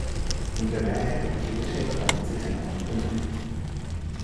In der Nähe der Kirche befand sich ein Altenheim.